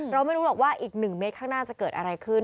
เราไม่รู้หรอกว่าอีก๑เมตรข้างหน้าจะเกิดอะไรขึ้น